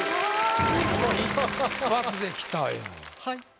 はい。